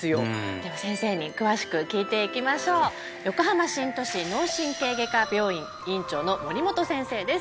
では先生に詳しく聞いていきましょう横浜新都市脳神経外科病院院長の森本先生です